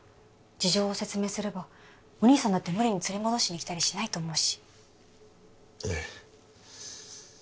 事情を説明すればお義兄さんだって無理に連れ戻しに来たりしないと思うしええ